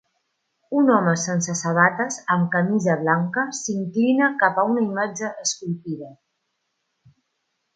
Un home sense sabates amb camisa blanca s'inclina cap a una imatge esculpida.